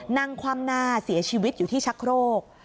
คว่ำหน้าเสียชีวิตอยู่ที่ชักโครก